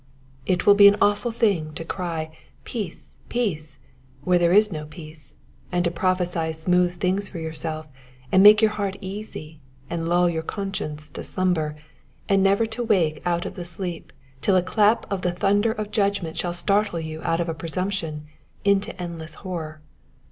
It will be an awful thing to cry " Peace, peace," where there is no peace, and to prophesy smooth things for yourself, and make your heart easy, and lull your conscience to slumber, and never to wake out of the sleep till a clap of the thunder of judg ment shall startle you out of presumption into endless horror.